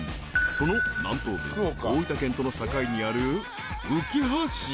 その南東部大分県との境にある］